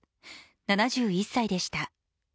７１歳でした。